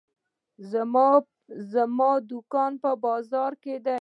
زما دوکان په بازار کې ده.